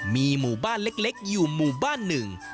มีหมู่บ้านเล็กอยู่หมู่บ้านหนึ่ง